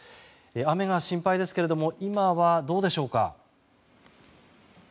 雨が心配ですけれども今はどうでしょうか。